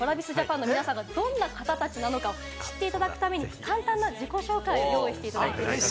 きょうは武田さんと山里さんにＴｒａｖｉｓＪａｐａｎがどんな方たちなのか知っていただくために簡単な自己紹介を用意していただいています。